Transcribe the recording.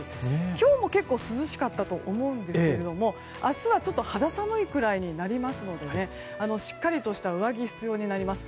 今日も結構、涼しかったと思いますが明日は肌寒いぐらいになりますのでしっかりとした上着が必要になります。